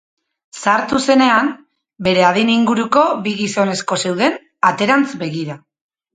Sartu zenean, bere adin inguruko bi gizonezko zeuden aterantz begira.